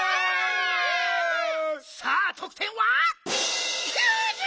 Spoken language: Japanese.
さあとくてんは？